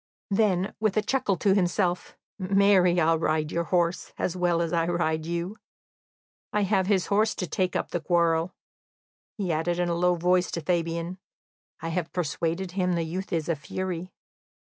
Then, with a chuckle to himself: "Marry, I'll ride your horse, as well as I ride you!... I have his horse to take up the quarrel," he added in a low voice to Fabian. "I have persuaded him the youth is a fury."